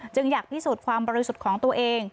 อยากพิสูจน์ความบริสุทธิ์ของตัวเอง